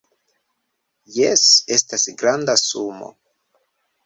Jes, estas granda sumo